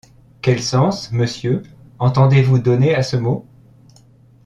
Quel sens, monsieur, entendez-vous donner à ce mot ?